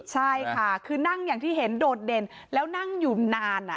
ใช่ค่ะคือนั่งอย่างที่เห็นโดดเด่นแล้วนั่งอยู่นาน